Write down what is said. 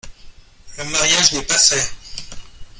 Le mariage n’est pas fait !